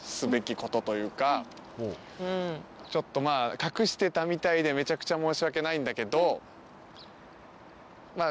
隠してたみたいでめちゃくちゃ申し訳ないんだけど。